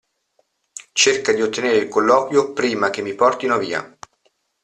Cerca di ottenere il colloquio prima che mi portino via.